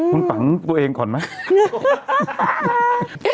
คุณฝังตัวเองก่อนไหม